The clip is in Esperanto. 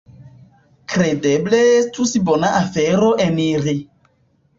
Kredeble estus bona afero eniri."